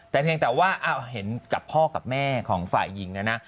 แต่เพียงแต่ว่าเห็นกับพ่อกับแม่ของฝ่ายหญิงนะ